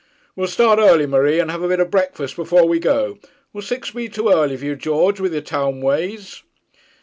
'We'll start early, Marie, and have a bit of breakfast before we go. Will six be too early for you, George, with your town ways?'